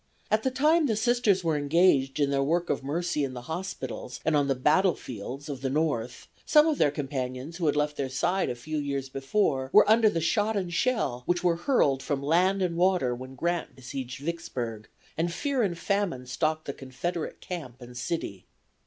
At the time the Sisters were engaged in their work of mercy in the hospitals and on the battlefields of the North some of their companions who had left their side a few years before were under the shot and shell which were hurled from land and water when Grant besieged Vicksburg, and fear and famine stalked the Confederate camp and city.